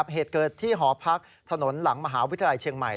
เหตุเกิดที่หอพักถนนหลังมหาวิทยาลัยเชียงใหม่